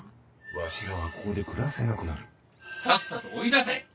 わしらはここで暮らせなくなるさっさと追い出せ！